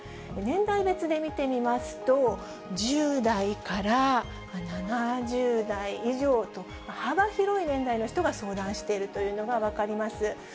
年代別で見てみますと、１０代から７０代以上と、幅広い年代の人が相談しているというのが分かります。